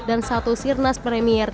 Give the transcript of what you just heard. dan satu sirnas premier